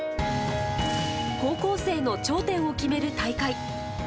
高校生の頂点を決める大会。